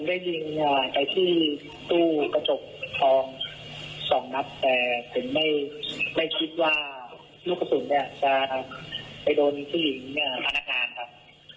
ได้ยิงไปที่ตู้กระจกทองสองนัดแต่ถึงไม่คิดว่าลูกกระสุนเนี่ยจะไปโดนผู้หญิงพนักงานครับ